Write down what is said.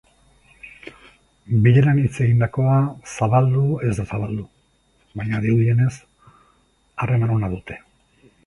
Bileran hitz egindakoa zabaldu ez da zabaldu baina dirudienez, harreman ona dute.